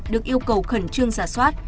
được yêu cầu khẩn trương giả soát